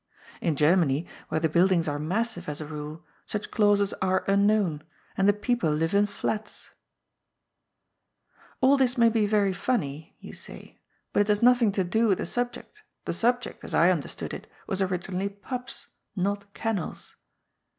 In Oermany, where the buildings are massive as a rule, such clauses are unknown, and the people live in flats I "All this may be very funny," you say, "but it has nothing to do with the subject The subject, as I under stood it, was originally Pups, not Kennels."